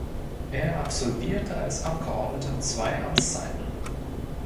Er absolvierte als Abgeordneter zwei Amtszeiten.